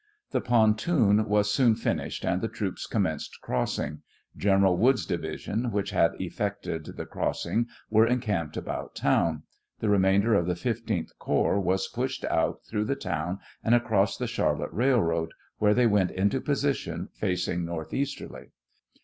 The pontoon was soon finished, and the troops com menced crossing. General Wood's division, which had effected the crossing, were encamped about town. The remainder of the 15th corps was pushed out through the town and across the Charlotte Railroad, where they went into position, facing northeasterly.